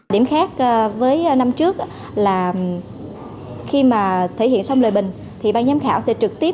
điểm khác với năm trước là khi mà thể hiện xong lời bình thì ban giám khảo sẽ trực tiếp